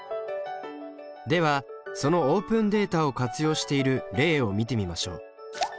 ではそのオープンデータを活用している例を見てみましょう。